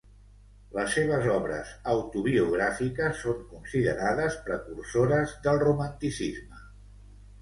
Les seves obres autobiogràfiques són considerades precursores del romanticisme.